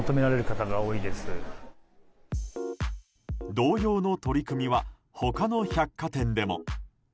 同様の取り組みは他の百貨店でも。